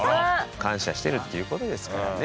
感謝してるっていうことですからね。